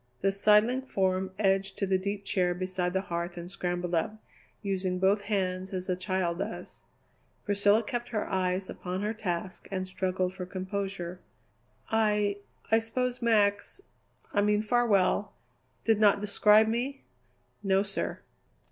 The sidling form edged to the deep chair beside the hearth and scrambled up, using both hands as a child does. Priscilla kept her eyes upon her task and struggled for composure. "I I suppose Max I mean Farwell did not describe me?" "No, sir."